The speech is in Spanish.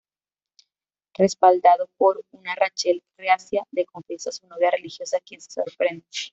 Respaldado por una Rachel reacia, le confiesa a su novia religiosa, quien se sorprende.